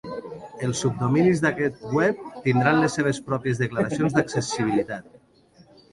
Els subdominis d'aquest web tindran les seves pròpies declaracions d'accessibilitat.